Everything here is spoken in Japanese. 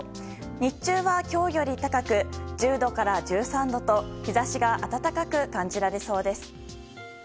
日中は今日より高く１０度から１３度と日差しが暖かく感じられそうです。